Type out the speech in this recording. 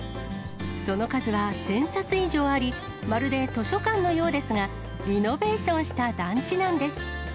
その数は１０００冊以上あり、まるで図書館のようですが、リノベーションした団地なんです。